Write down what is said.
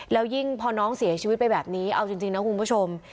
แล้วยิ่งพอน้องเสียชีวิตไปแบบนี้เอาจริงนะคุณผู้ชม